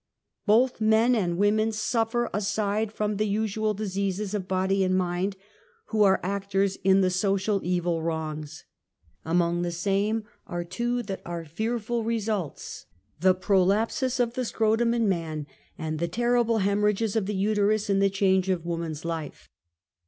Both men and women suffer aside from the usual diseases of body and mind, who are actors in the social evil wrongs. Among the same are two that are fearful results, the prolapsus of the scrotum in man, and the terrible hemorrhages of the uterus in the change of woman's life.